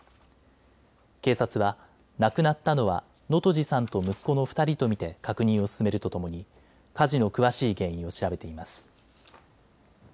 警察は亡くなったのは能登路さんと息子の２人と見て確認を進めるとともに火事の詳しい原因を調べています。